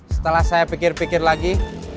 setelah saya pikir pikir lagi